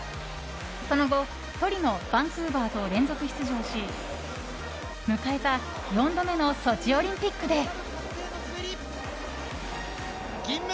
その後トリノ、バンクーバーと連続出場し迎えた４度目のソチオリンピックで。